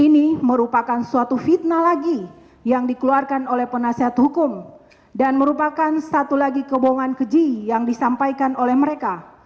ini merupakan suatu fitnah lagi yang dikeluarkan oleh penasihat hukum dan merupakan satu lagi kebohongan keji yang disampaikan oleh mereka